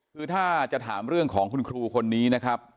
คือถ้าจะถามเรื่องของคุณครูคนนี้นะครับ